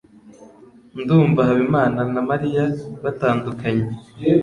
Ndumva Habimana na Mariya batandukanye.